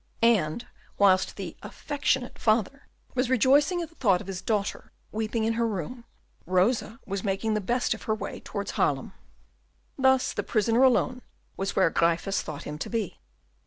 And whilst the affectionate father was rejoicing at the thought of his daughter weeping in her room, Rosa was making the best of her way towards Haarlem. Thus the prisoner alone was where Gryphus thought him to be.